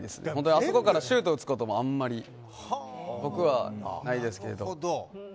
あそこからシュートを打つこともあんまり僕はないですけど。